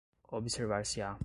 observar-se-á